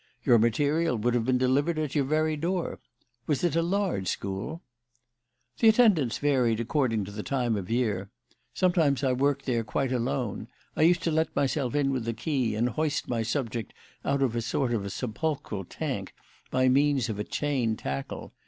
Your material would have been delivered at your very door. Was it a large school?" "The attendance varied according to the time of the year. Sometimes I worked there quite alone. I used to let myself in with a key and hoist my subject out of a sort of sepulchral tank by means of a chain tackle.